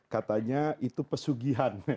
katanya itu pesugihan